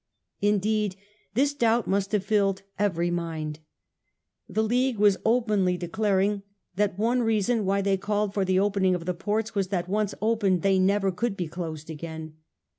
Indeed this doubt must have filled every mind. The League were openly declaring that one reason why they called for the opening of the ports was that once opened they never could be closed again.